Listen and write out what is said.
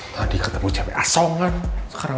jadi nian hari ini bener bener pengen berjuang